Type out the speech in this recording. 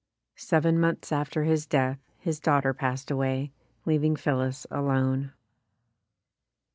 Seven months after his death his daughter passed away, leaving Phillis alone.